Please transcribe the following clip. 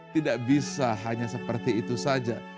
tidak bisa hanya seperti itu saja